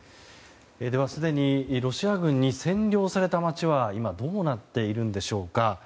では、すでにロシア軍に占領された街は今どうなっているんでしょうか。